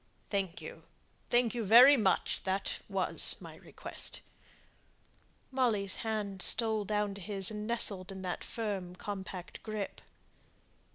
"Thank you; thank you very much. That was my request." Molly's hand stole down to his, and nestled in that firm compact grasp.